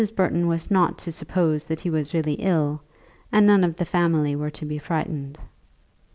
Burton was not to suppose that he was really ill, and none of the family were to be frightened.